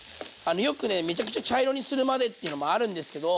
よくねめちゃくちゃ茶色にするまでっていうのもあるんですけど。